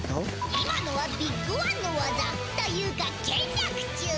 今のはビッグワンの技というか権力チュン。